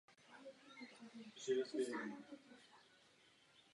Odešel nejprve do Vídně.